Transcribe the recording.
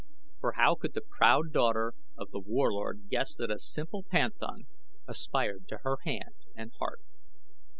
For how could the proud daughter of The Warlord guess that a simple panthan aspired to her hand and heart?